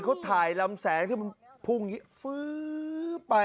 เขาถ่ายลำแสงที่มันพุ่งอย่างนี้ฟื้อไป